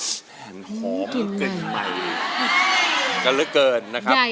แม่งของเกินใหม่กระลึกเกินนะครับ